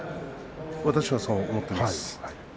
私はそう思っています。